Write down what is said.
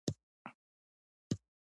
خسرو د بغاوت په جرم په قصر کې بندي شو.